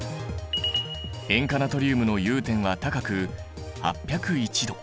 塩化ナトリウムの融点は高く８０１℃。